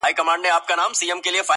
د دې قوم نصیب یې کښلی پر مجمر دی-